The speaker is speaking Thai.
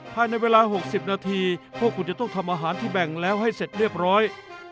ภายในเวลา๖๐นาทีพวกคุณจะต้องทำอาหารที่แบ่งแล้วให้เสร็จเรียบร้อย